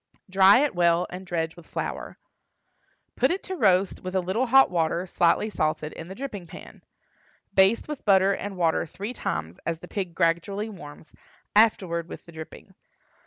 Dry it well, and dredge with flour. Put it to roast with a little hot water, slightly salted, in the dripping pan. Baste with butter and water three times, as the pig gradually warms, afterward with the dripping.